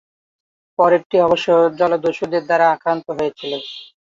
পরেরটি অবশ্য জলদস্যুদের দ্বারা আক্রান্ত হয়েছিল।